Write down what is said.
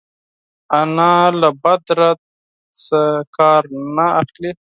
انا له بد رد نه کار نه اخلي